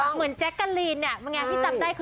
เหมือนแจ๊กการีนที่ได้ถึงต่องหน้าหม้า